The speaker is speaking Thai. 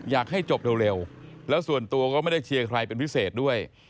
อยากให้จบเร็วแล้วส่วนตัวก็ไม่ได้เชียร์ใครเป็นพิเศษด้วย